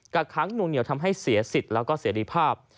กระค้างหนูเหนียวทำให้เสียสิทธิ์และเสียดีภาพ